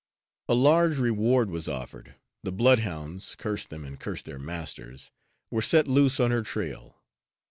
A large reward was offered, the bloodhounds (curse them and curse their masters) were set loose on her trail.